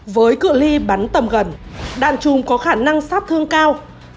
với cựa ly bắn tầm gần đạn chùm có khả năng sát thương cao